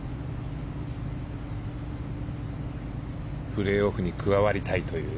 プレーオフに加わりたいという。